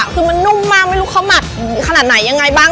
คือมันนุ่มมากไม่รู้เขาหมักขนาดไหนยังไงบ้าง